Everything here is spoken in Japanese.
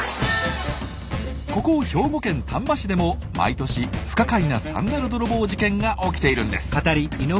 ここ兵庫県丹波市でも毎年不可解なサンダル泥棒事件が起きているんです。